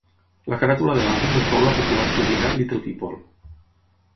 La caràtula de l'àlbum inclou la popular joguina Little People.